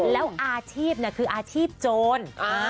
แล้วอาชีพคืออาชีพโจร